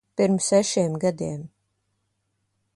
Pirms sešiem gadiem.